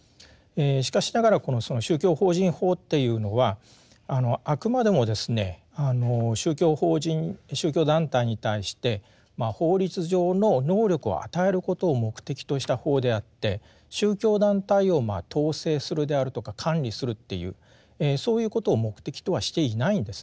しかしながらその宗教法人法っていうのはあくまでもですね宗教法人宗教団体に対して法律上の能力を与えることを目的とした法であって宗教団体を統制するであるとか管理するっていうそういうことを目的とはしていないんですね。